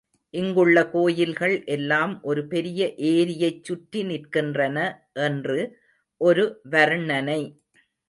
இங்குள்ள கோயில்கள் எல்லாம் ஒரு பெரிய ஏரியைச் சுற்றி நிற்கின்றன என்று ஒரு வர்ணனை.